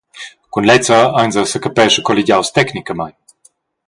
Cun lezza ein ins secapescha colligiaus tecnicamein.